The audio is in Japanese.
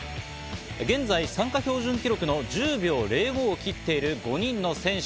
現在、参加標準記録の１０秒０５を切っている５人の選手、